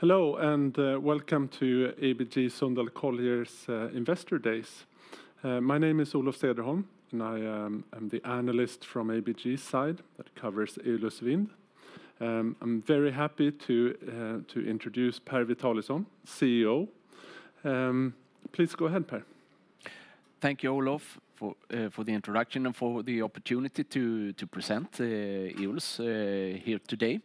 Hello, and welcome to ABG Sundal Collier's Investor Days. My name is Olof Cederholm, and I am the analyst from ABG side that covers Eolus Vind. I'm very happy to introduce Per Witalisson, CEO. Please go ahead, Per Thank you, Olof, for the introduction and for the opportunity to present Eolus here today.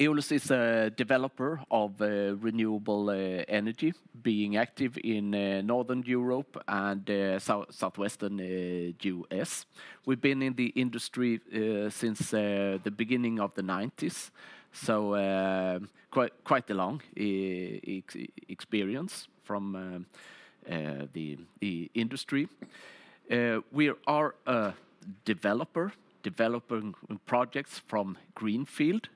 Eolus is a developer of renewable energy, being active in Northern Europe and southwestern U.S. We've been in the industry since the beginning of the 1990s, so quite a long experience from the industry. We are a developer, developing projects from greenfield.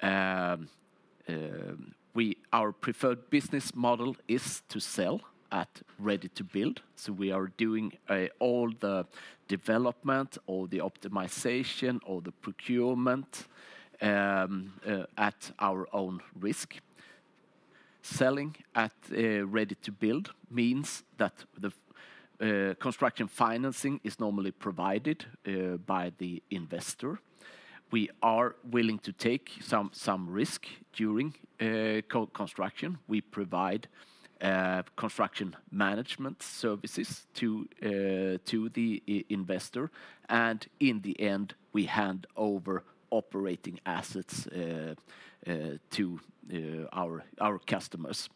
Our preferred business model is to sell at ready-to-build, so we are doing all the development, all the optimization, all the procurement at our own risk. Selling at ready-to-build means that the construction financing is normally provided by the investor. We are willing to take some risk during construction. We provide construction management services to the investor, and in the end, we hand over operating assets to our customers.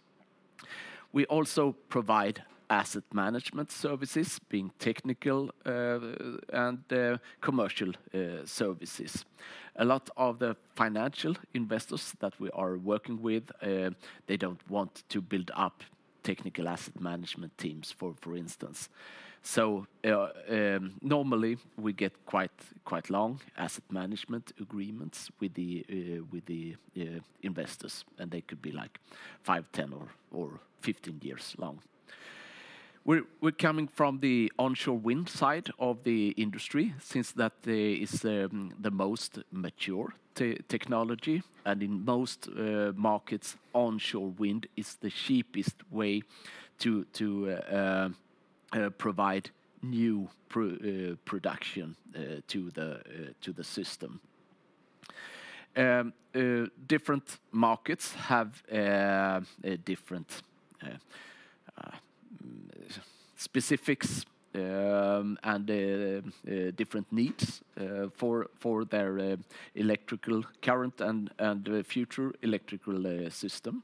We also provide asset management services, being technical and commercial services. A lot of the financial investors that we are working with, they don't want to build up technical asset management teams, for instance. So, normally, we get quite long asset management agreements with the investors, and they could be, like, five, 10, or 15 years long. We're coming from the onshore wind side of the industry, since that is the most mature technology, and in most markets, onshore wind is the cheapest way to provide new production to the system. Different markets have a different specifics and different needs for their electrical current and future electrical system.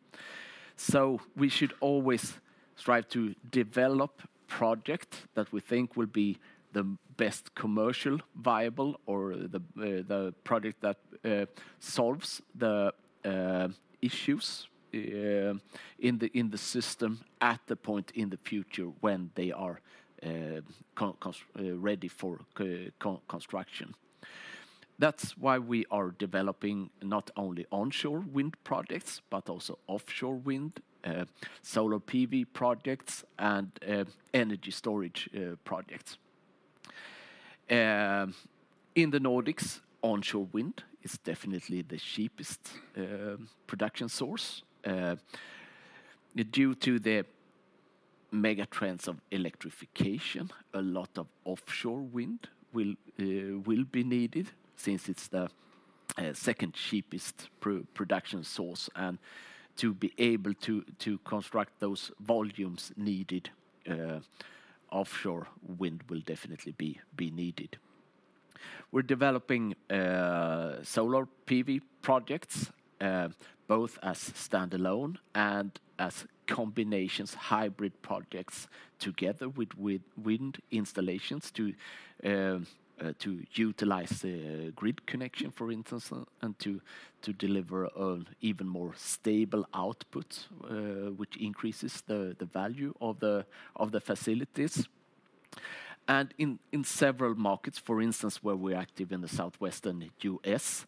So we should always strive to develop project that we think will be the best commercial viable or the project that solves the issues in the system at the point in the future when they are ready for construction. That's why we are developing not only onshore wind projects, but also offshore wind, Solar PV projects, and energy storage projects. In the Nordics, onshore wind is definitely the cheapest production source. Due to the mega trends of electrification, a lot of offshore wind will be needed, since it's the second cheapest production source, and to be able to construct those volumes needed, offshore wind will definitely be needed. We're developing solar PV projects both as standalone and as combinations, hybrid projects, together with wind installations to utilize the grid connection, for instance, and to deliver an even more stable output, which increases the value of the facilities. In several markets, for instance, where we're active in the southwestern U.S.,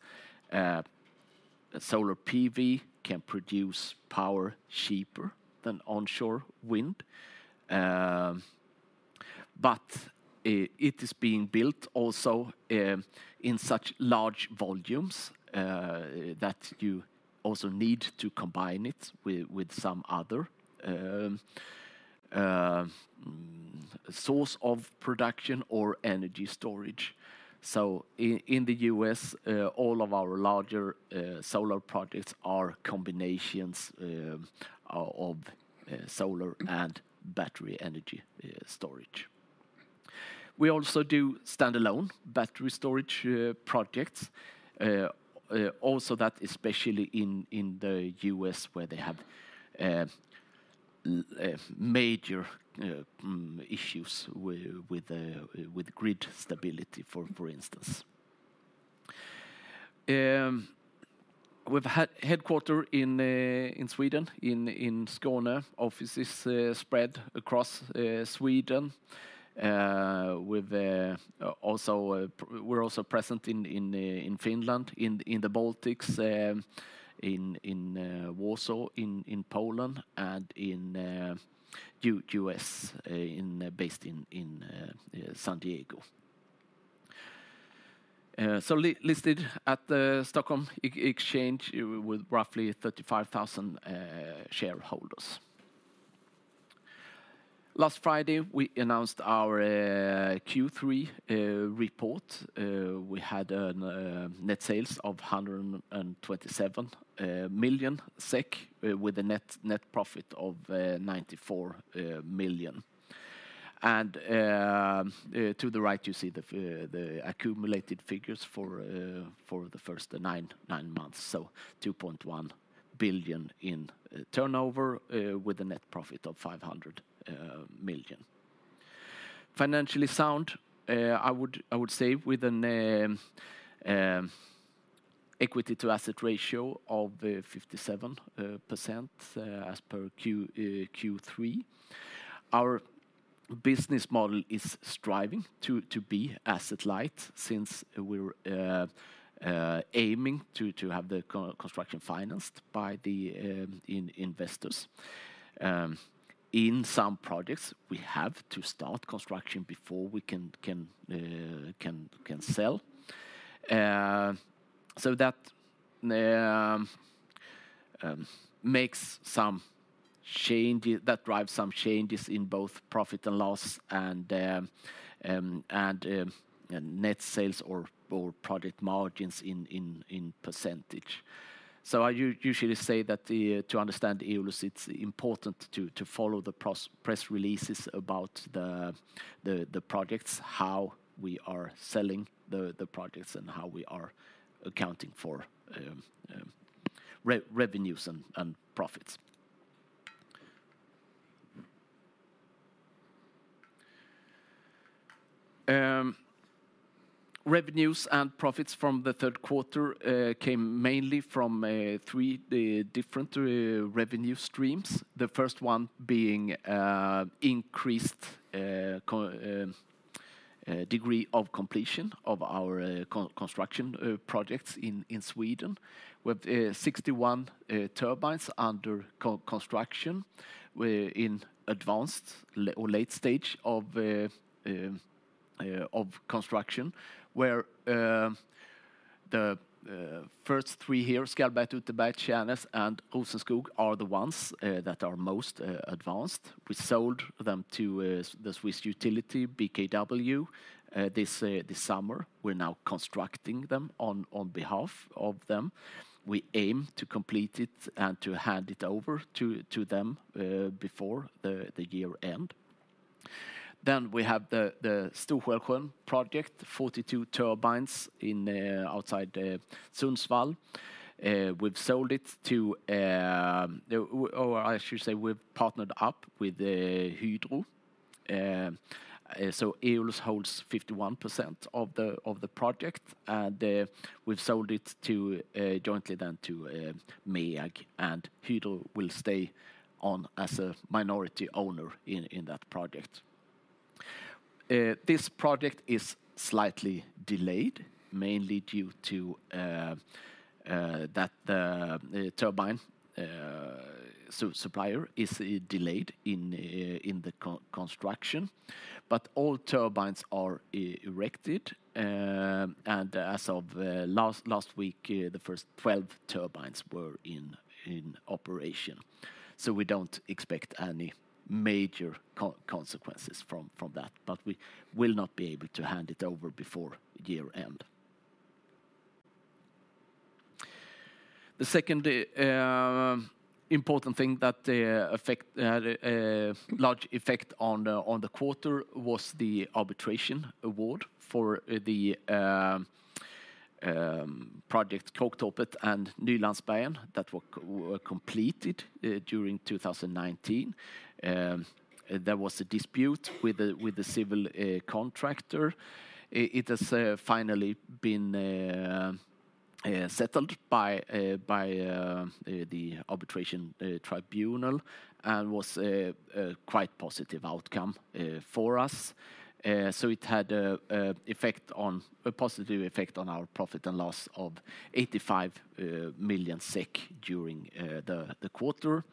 solar PV can produce power cheaper than onshore wind. But it is being built also in such large volumes that you also need to combine it with some other source of production or energy storage. So in the U.S., all of our larger solar projects are combinations of solar and battery energy storage. We also do standalone battery storage projects also that especially in the U.S., where they have major issues with grid stability, for instance. We have headquarters in Sweden, in Skåne. Offices spread across Sweden. We are also present in Finland, in the Baltics, in Warsaw, in Poland, and in U.S., based in San Diego. So listed at the Stockholm Exchange with roughly 35,000 shareholders. Last Friday, we announced our Q3 report. We had net sales of 127 million SEK, with a net profit of 94 million. To the right, you see the accumulated figures for the first nine months, so 2.1 billion in turnover, with a net profit of 500 million. Financially sound, I would say, with an equity to asset ratio of 57%, as per Q3. Our business model is striving to be asset-light since we're aiming to have the construction financed by the investors. In some projects, we have to start construction before we can sell. That makes some changes. That drives some changes in both profit and loss and net sales or project margins in percentage. So I usually say that to understand Eolus, it's important to follow the press releases about the projects, how we are selling the projects, and how we are accounting for revenues and profits. Revenues and profits from the third quarter came mainly from three different revenue streams. The first one being increased degree of completion of our construction projects in Sweden, with 61 turbines under construction in advanced or late stage of construction. Where the first three here, Skärberget, Utteberget, Kårnes and Åsenskog, are the ones that are most advanced. We sold them to the Swiss utility, BKW, this summer. We're now constructing them on behalf of them. We aim to complete it and to hand it over to them before the year end. Then we have the Stor-Skälsjön project, 42 turbines outside Sundsvall. We've sold it to the... Or I should say, we've partnered up with Hydro. Eolus holds 51% of the project, and we've sold it to jointly then to MEAG, and Hydro will stay on as a minority owner in that project. This project is slightly delayed, mainly due to that the turbine supplier is delayed in the construction. But all turbines are erected, and as of last week, the first 12 turbines were in operation. So we don't expect any major consequences from that, but we will not be able to hand it over before year end. The second important thing that had a large effect on the quarter was the arbitration award for the project Kräktorpet and Nylandsbergen that were completed during 2019. There was a dispute with the civil contractor. It has finally been settled by the arbitration tribunal, and was a quite positive outcome for us. So it had a positive effect on our profit and loss of 85 million SEK during the quarter.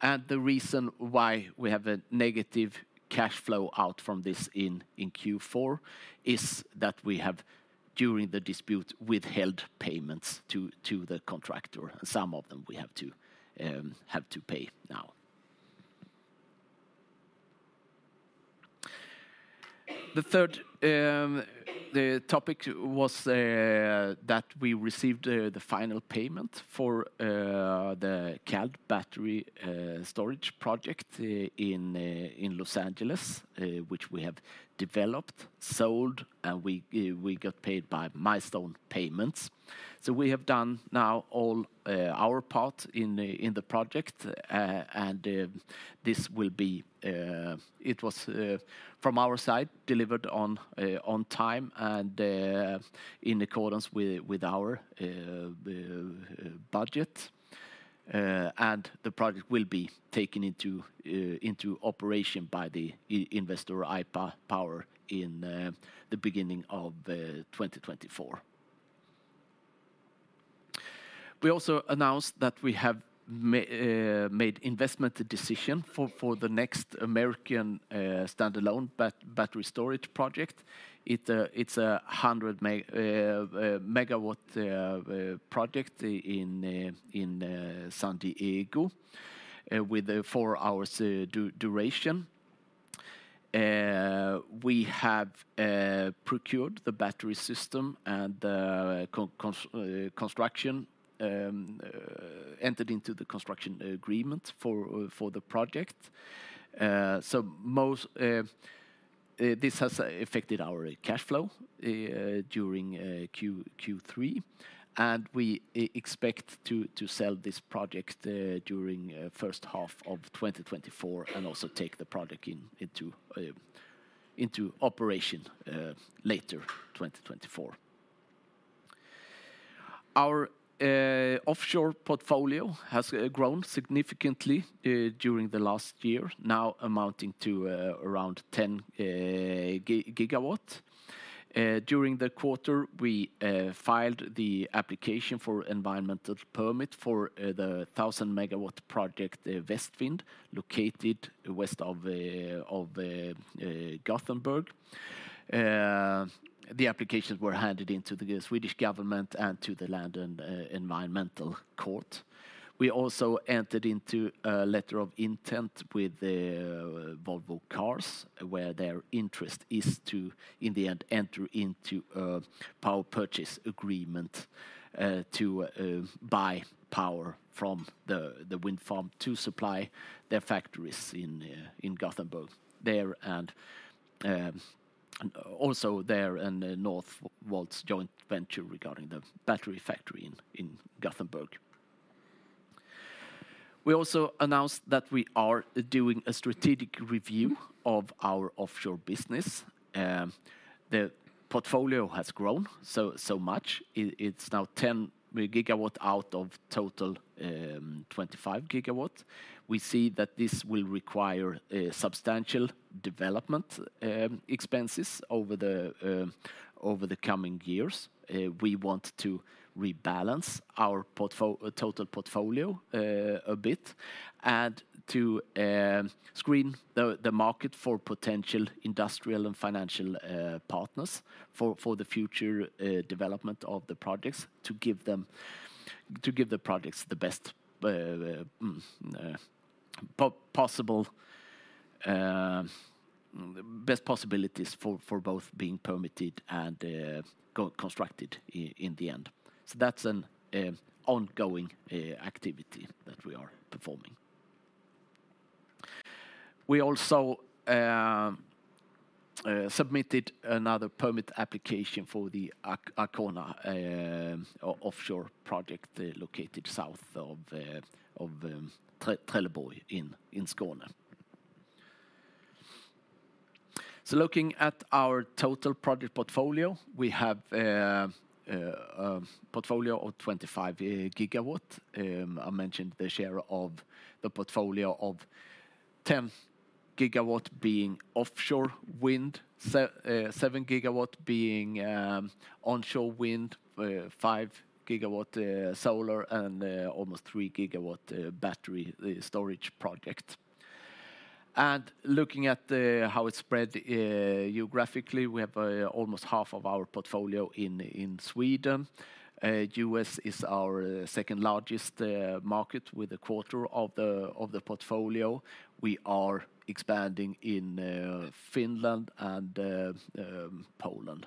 And the reason why we have a negative cash flow out from this in Q4 is that we have, during the dispute, withheld payments to the contractor. Some of them we have to pay now. The third topic was that we received the final payment for the Cald battery storage project in Los Angeles, which we have developed, sold, and we got paid by milestone payments. So we have done now all our part in the project, and this will be. It was from our side delivered on time, and in accordance with our budget, and the project will be taken into operation by the investor IPA Power in the beginning of 2024. We also announced that we have made investment decision for the next American standalone battery storage project. It's a 100-megawatt project in San Diego with a four-hour duration. We have procured the battery system and entered into the construction agreement for the project. So most this has affected our cash flow during Q3, and we expect to sell this project during first half of 2024, and also take the project into operation later 2024. Our offshore portfolio has grown significantly during the last year, now amounting to around 10 GW. During the quarter, we filed the application for environmental permit for the 1,000-MW project, Västvind, located west of Gothenburg. The applications were handed into the Swedish government and to the Land and Environmental Court. We also entered into a letter of intent with Volvo Cars, where their interest is to, in the end, enter into a power purchase agreement to buy power from the wind farm to supply their factories in Gothenburg, there and also there in the Northvolt's joint venture regarding the battery factory in Gothenburg. We also announced that we are doing a strategic review of our offshore business. The portfolio has grown so much. It's now 10 GW out of total 25 GW. We see that this will require substantial development expenses over the coming years. We want to rebalance our total portfolio a bit, and to screen the market for potential industrial and financial partners for the future development of the projects, to give the projects the best possible best possibilities for both being permitted and constructed in the end. So that's an ongoing activity that we are performing. We also submitted another permit application for the Arkona offshore project located south of Trelleborg in Skåne. So looking at our total project portfolio, we have a portfolio of 25 gigawatt. I mentioned the share of the portfolio of 10 GW being offshore wind, 7 GW being onshore wind, 5 GW solar, and almost 3 GW battery storage project. Looking at how it's spread geographically, we have almost half of our portfolio in Sweden. U.S. is our second-largest market, with a quarter of the portfolio. We are expanding in Finland and Poland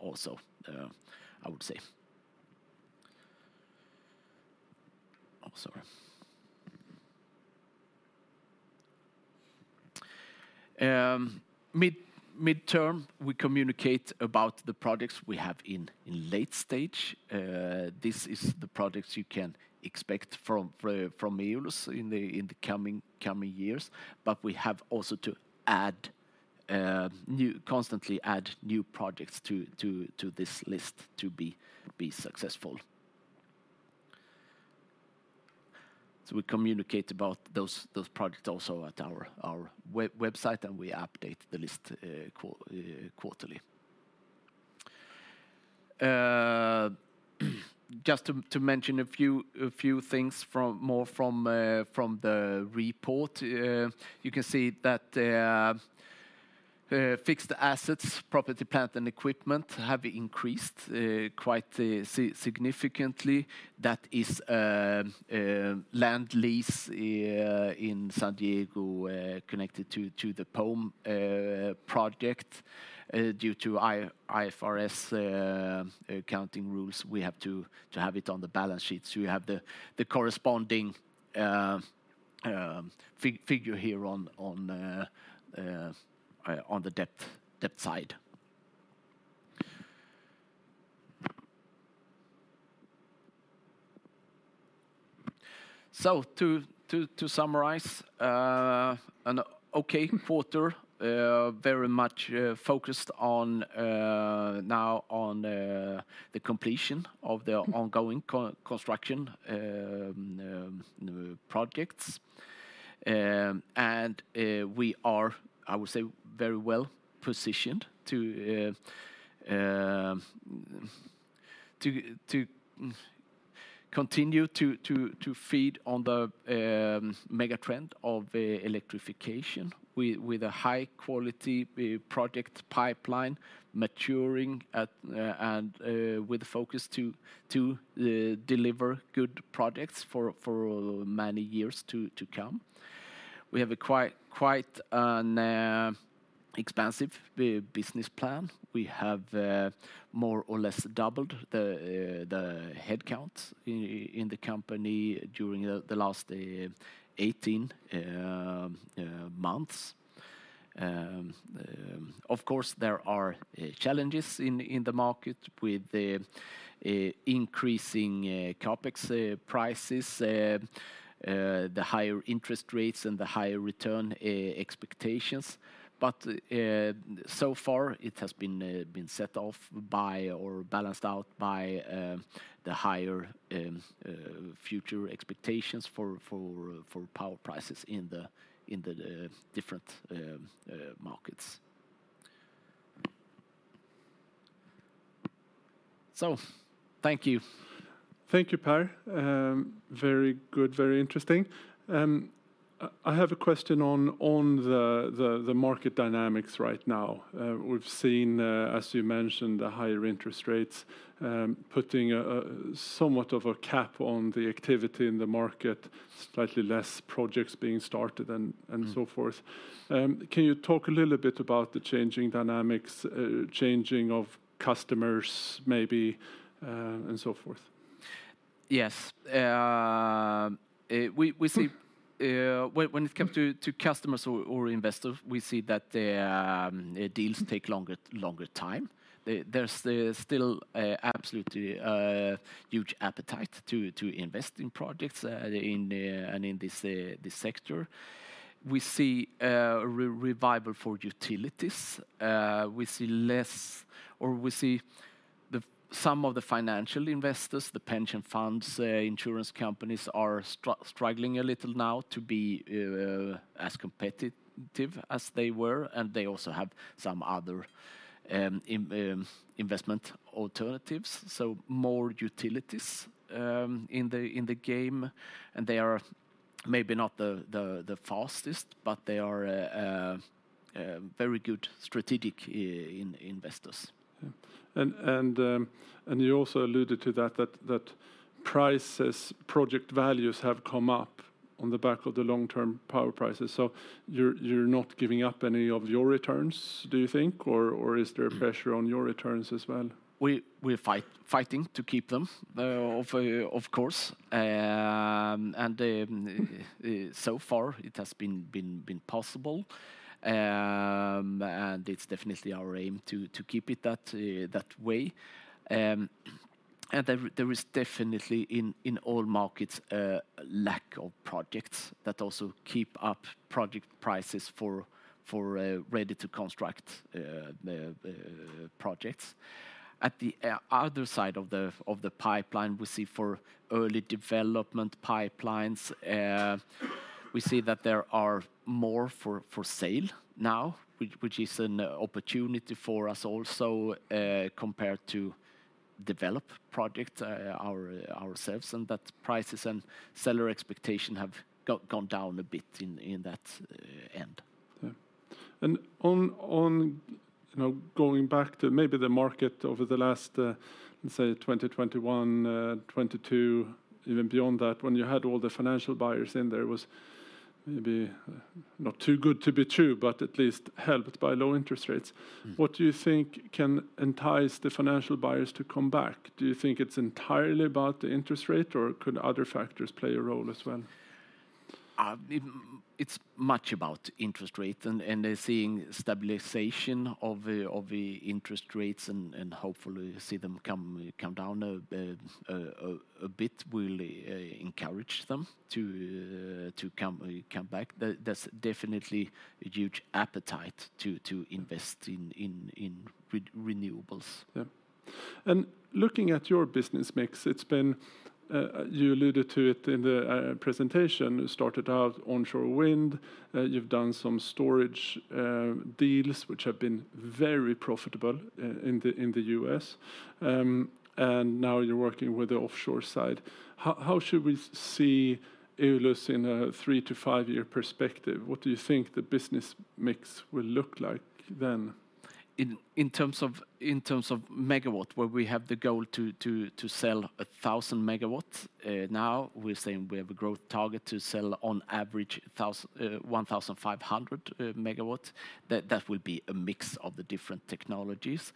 also, I would say. Mid-term, we communicate about the projects we have in late stage. This is the projects you can expect from Eolus in the coming years. But we have also to constantly add new projects to this list to be successful. So we communicate about those projects also at our website, and we update the list quarterly. Just to mention a few things from the report. You can see that fixed assets, property, plant, and equipment, have increased quite significantly. That is land lease in San Diego connected to the Pome project. Due to IFRS accounting rules, we have to have it on the balance sheet, so you have the corresponding figure here on the debt side. So to summarize, an okay quarter. Very much focused now on the completion of the ongoing construction projects. and we are, I would say, very well positioned to feed on the mega trend of electrification with a high-quality project pipeline maturing, and with a focus to deliver good projects for many years to come. We have quite an expansive business plan. We have more or less doubled the headcount in the company during the last 18 months. Of course, there are challenges in the market with the increasing CapEx prices, the higher interest rates and the higher return expectations. But so far, it has been set off by or balanced out by the higher future expectations for power prices in the different markets. So thank you. Thank you, Per. Very good, very interesting. I have a question on the market dynamics right now. We've seen, as you mentioned, the higher interest rates putting somewhat of a cap on the activity in the market, slightly less projects being started and- Mm... and so forth. Can you talk a little bit about the changing dynamics, changing of customers maybe, and so forth? Yes. We see- Mm... when it comes to customers or investors, we see that deals take longer time. There's still a absolutely huge appetite to invest in projects in the and in this sector. We see revival for utilities. We see less, or we see the... Some of the financial investors, the pension funds, insurance companies, are struggling a little now to be as competitive as they were, and they also have some other investment alternatives, so more utilities in the game. And they are maybe not the fastest, but they are very good strategic investors. Yeah. And you also alluded to that prices, project values have come up on the back of the long-term power prices. So you're not giving up any of your returns, do you think, or is there pressure on your returns as well? We're fighting to keep them, of course. So far it has been possible. And it's definitely our aim to keep it that way. And there is definitely in all markets lack of projects that also keep up project prices for ready-to-construct projects. At the other side of the pipeline, we see for early development pipelines we see that there are more for sale now, which is an opportunity for us also compared to develop projects ourselves, and that prices and seller expectation have gone down a bit in that end. Yeah. And on, you know, going back to maybe the market over the last, let's say, 2021, 2022, even beyond that, when you had all the financial buyers in there, it was maybe not too good to be true, but at least helped by low interest rates. Mm. What do you think can entice the financial buyers to come back? Do you think it's entirely about the interest rate, or could other factors play a role as well? It's much about interest rate and they're seeing stabilization of the interest rates and hopefully see them come down a bit will encourage them to come back. There's definitely a huge appetite to invest in renewables. Yeah. And looking at your business mix, it's been, you alluded to it in the presentation. You started out onshore wind. You've done some storage deals, which have been very profitable in the U.S. And now you're working with the offshore side. How should we see Eolus in a three- to five-year perspective? What do you think the business mix will look like then? In terms of megawatts, where we have the goal to sell 1,000 megawatts, now we're saying we have a growth target to sell on average 1,500 megawatts. That will be a mix of the different technologies.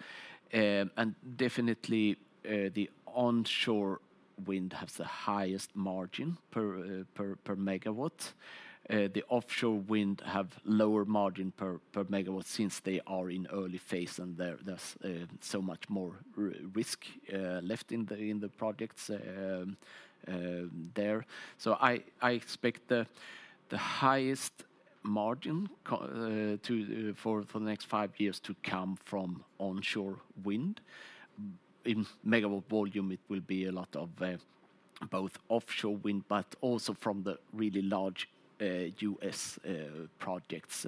And definitely, the onshore wind has the highest margin per megawatt. The offshore wind have lower margin per megawatt since they are in early phase, and there's so much more risk left in the projects there. So I expect the highest margin for the next five years to come from onshore wind. In megawatt volume, it will be a lot of both offshore wind, but also from the really large U.S. projects,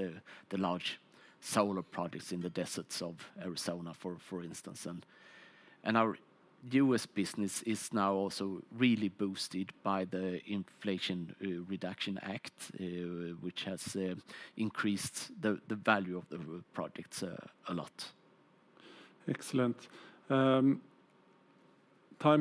the large solar projects in the deserts of Arizona, for instance. Our U.S. business is now also really boosted by the Inflation Reduction Act, which has increased the value of the projects a lot. Excellent. Time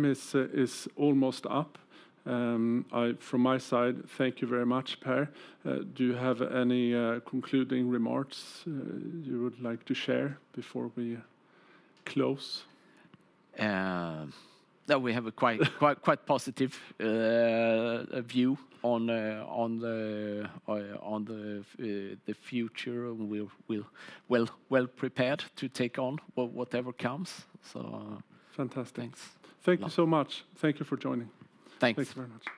is almost up. From my side, thank you very much, Per. Do you have any concluding remarks you would like to share before we close? that we have a quite positive view on the future, and we're well-prepared to take on whatever comes, so- Fantastic... thanks. Thank you so much. Thank you for joining. Thanks. Thank you very much.